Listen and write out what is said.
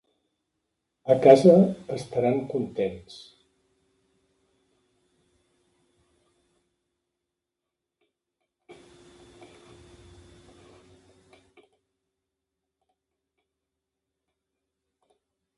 A casa estaran contents.